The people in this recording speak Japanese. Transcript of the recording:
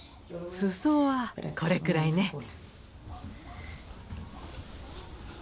すそはこれくらいね。